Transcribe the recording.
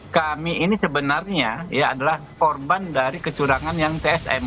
kami ini sebenarnya adalah korban dari kecurangan yang tsm